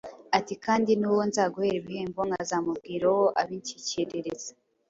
ati «kandi n'uwo nzaguhera ibihembo nkazamubwira uwo abinshyikiririza».